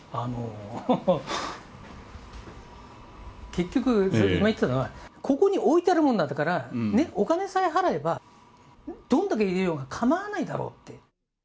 結局、今言っていたのは、ここに置いてあるもんなんだから、お金さえ払えば、どんだけ入れようが構わないだろうって。